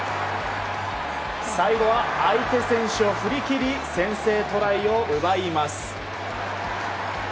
最後は相手選手を振り切り先制トライを奪います。